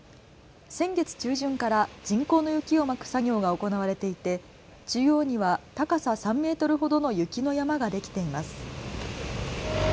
先月中旬から人工の雪をまく作業が行われていて中央には高さ３メートルほどの雪の山ができています。